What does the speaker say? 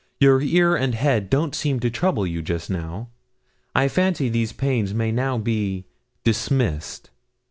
Your ear and head don't seem to trouble you just now. I fancy these pains may now be dismissed.'